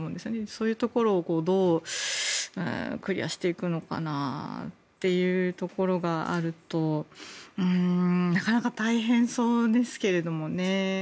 そういうところをどうクリアしていくのかなっていうところがあるとなかなか大変そうですけれどもね。